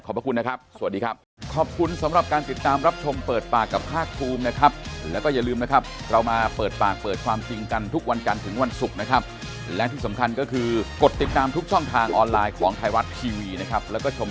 พระคุณนะครับสวัสดีครับ